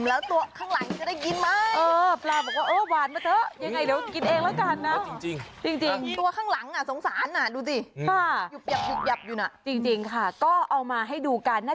แล้วตัวข้างหลังจะได้กินไหม